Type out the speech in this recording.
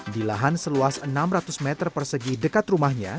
di lahan seluas enam ratus meter persegi dekat rumahnya